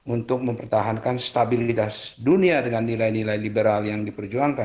untuk mempertahankan stabilitas dunia dengan nilai nilai liberal yang diperjuangkan